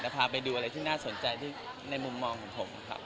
พาไปดูอะไรที่น่าสนใจในมุมมองของผมครับ